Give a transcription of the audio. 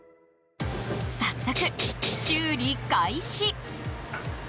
早速、修理開始。